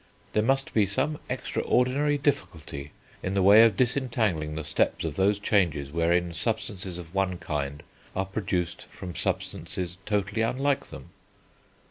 There must be some extraordinary difficulty in the way of disentangling the steps of those changes wherein substances of one kind are produced from substances totally unlike them.